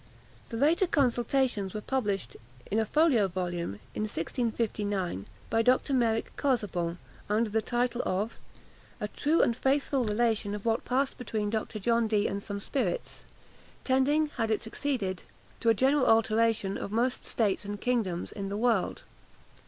The later consultations were published in a folio volume, in 1659, by Dr. Meric Casaubon, under the title of _A true and faithful Relation of what passed between Dr. John Dee and some Spirits; tending, had it succeeded, to a general Alteration of most States and Kingdoms in the World_.